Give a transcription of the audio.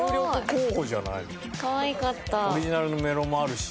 オリジナルのメロもあるし。